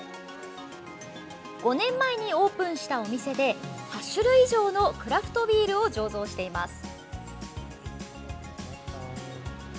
５年前にオープンしたお店で８種類以上のクラフトビールを醸造しています。